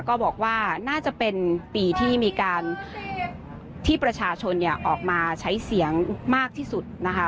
ก็บอกว่าน่าจะเป็นปีที่มีการที่ประชาชนออกมาใช้เสียงมากที่สุดนะคะ